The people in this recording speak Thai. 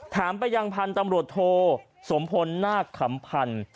ถามไปยังพันธุ์ตำรวจโทสมพลนาคขำพันธ์